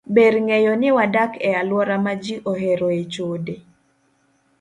Ber ng'eyo ni wadak e alwora ma ji oheroe chode.